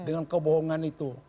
dengan kebohongan itu